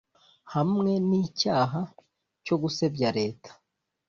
hamwe n’icyaha cyo gusebya Leta